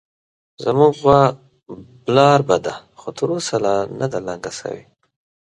زموږ غوا برالبه ده، خو تر اوسه لا نه ده لنګه شوې